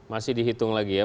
masih dihitung lagi ya